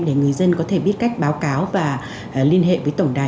để người dân có thể biết cách báo cáo và liên hệ với tổng đài một trăm một mươi một